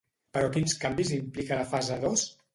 Però quins canvis implica la fase dos?